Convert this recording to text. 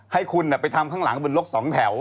ให้คุณไปทำข้างหลังบนรถสองแถว